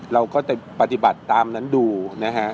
เราก็จะปฏิบัติตามนั้นดูนะฮะ